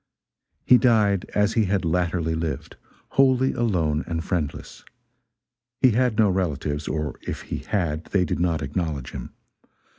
He died as he had latterly lived wholly alone and friendless. He had no relatives or if he had they did not acknowledge him.